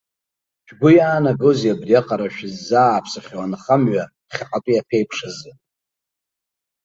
Шәгәы иаанагозеи абриаҟара шәыззааԥсахьоу анхамҩа ԥхьаҟатәи аԥеиԥш азы?